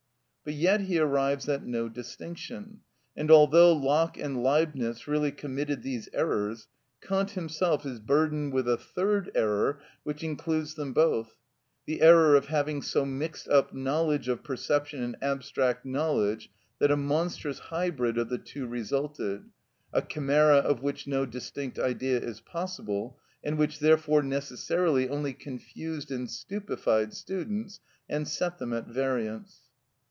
But yet he arrives at no distinction; and although Locke and Leibnitz really committed these errors, Kant himself is burdened with a third error which includes them both—the error of having so mixed up knowledge of perception and abstract knowledge that a monstrous hybrid of the two resulted, a chimera of which no distinct idea is possible, and which therefore necessarily only confused and stupefied students, and set them at variance.